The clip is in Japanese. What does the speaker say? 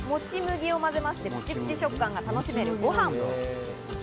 続いて、もち麦を混ぜまして、ぷちぷち食感が楽しめるご飯。